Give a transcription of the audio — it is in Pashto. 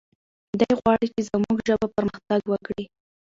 دی غواړي چې زموږ ژبه پرمختګ وکړي.